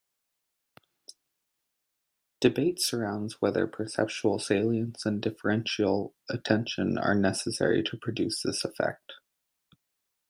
Debate surrounds whether perceptual salience and differential attention are necessary to produce this effect.